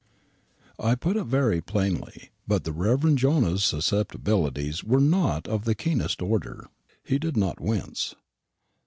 I put it very plainly; but the Rev. Jonah's susceptibilities were not of the keenest order. He did not wince.